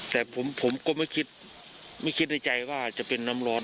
แต่ผมก็ไม่คิดไม่คิดในใจว่าจะเป็นน้ำร้อน